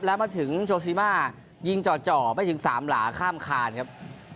แล้วมาถึงโชซีมายิงจ่อจ่อไปถึงสามหล่าข้ามคานครับ